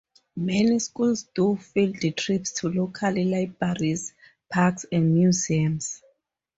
Many schools do field trips to local libraries, parks, and museums.